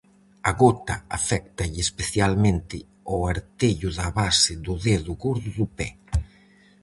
A gota aféctalle especialmente ao artello da base do dedo gordo do pé.